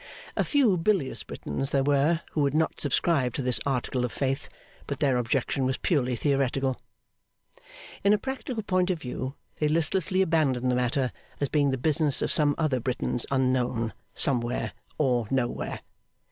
A few bilious Britons there were who would not subscribe to this article of faith; but their objection was purely theoretical. In a practical point of view, they listlessly abandoned the matter, as being the business of some other Britons unknown, somewhere, or nowhere.